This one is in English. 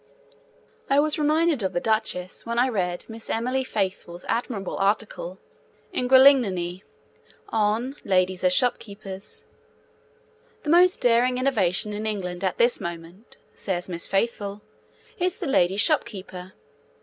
I was reminded of the Duchess when I read Miss Emily Faithfull's admirable article in Gralignani on 'Ladies as Shopkeepers.' 'The most daring innovation in England at this moment,' says Miss Faithfull, 'is the lady shopkeeper.